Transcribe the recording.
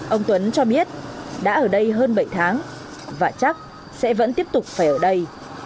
ông tuấn cho biết đã ở đây hơn bảy tháng và chắc sẽ vẫn tiếp tục phải ở đây